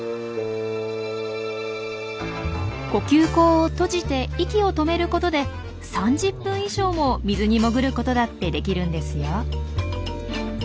呼吸孔を閉じて息を止めることで３０分以上も水に潜ることだってできるんですよ。